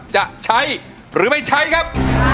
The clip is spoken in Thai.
จะใช้หรือไม่ใช้ครับ